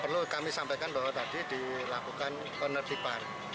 perlu kami sampaikan bahwa tadi dilakukan penertiban